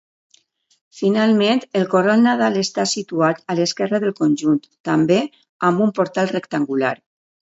Finalment, el Corral Nadal està situat a l'esquerra del conjunt, també amb un portal rectangular.